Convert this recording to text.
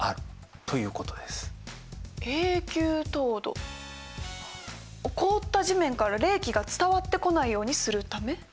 永久凍土凍った地面から冷気が伝わってこないようにするため？